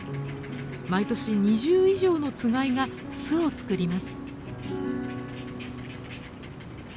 毎年２０以上のつがいが巣を作ります。